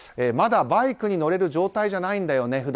まだバイクに乗れる状態じゃないんだよね